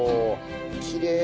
きれい。